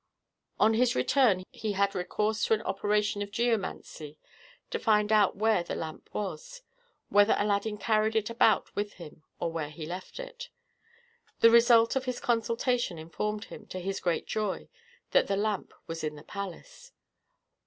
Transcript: On his return he had recourse to an operation of geomancy to find out where the lamp was whether Aladdin carried it about with him, or where he left it. The result of his consultation informed him, to his great joy, that the lamp was in the palace.